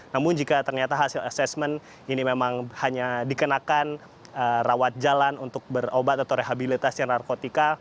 namun jika ternyata hasil asesmen ini memang hanya dikenakan rawat jalan untuk berobat atau rehabilitasi narkotika